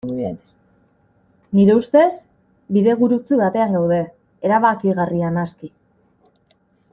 Nire ustez, bidegurutze batean gaude, erabakigarria naski.